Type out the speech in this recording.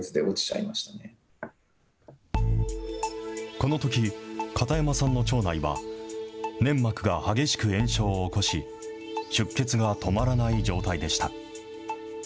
このとき、片山さんの腸内は、粘膜が激しく炎症を起こし、出血が止まらない状態でした。